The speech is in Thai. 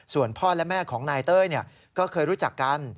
ส่วนพ่อและแม่ของนายเต้ยก็เคยรู้จักกัน